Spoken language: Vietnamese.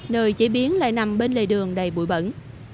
nơi chế biến lại nằm bên lề đường đầy bụi bẩn